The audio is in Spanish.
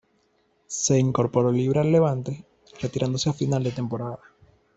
Se incorporó libre al Levante, retirándose a final de temporada.